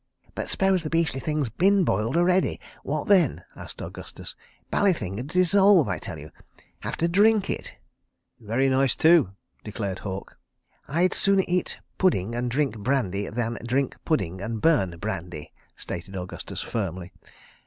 "But s'pose the beastly thing's bin boiled already—what then?" asked Augustus. "Bally thing'd dissolve, I tell you. ... Have to drink it. ..." "Very nice, too," declared Halke. "I'd sooner eat pudding and drink brandy, than drink pudding and burn brandy," stated Augustus firmly.